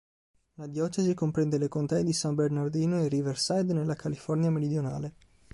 La diocesi comprende le contee di San Bernardino e Riverside nella California meridionale.